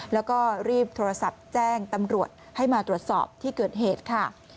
แล้วก็รีบโทรศัพท์แจ้งตำรวจให้มาตรวจสอบที่เกิดเหตุค่ะ